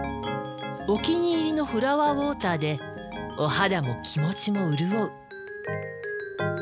お気に入りのフラワーウォーターでお肌も気持ちも潤う。